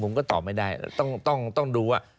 ผมก็ตอบไม่ได้ต้องดูว่า